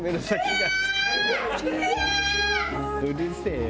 「うるせえよ」